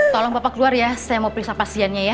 tolong bapak keluar ya saya mau periksa pasiennya ya